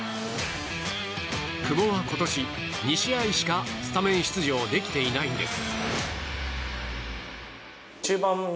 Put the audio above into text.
久保は今年、２試合しかスタメン出場できていないんです。